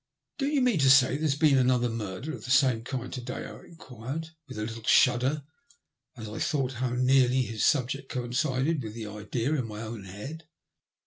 "Do you mean to say there has been another murder of the same kind to day?" I enquired, with a little shudder as I thought how nearly his subject coincided with the idea in my own head.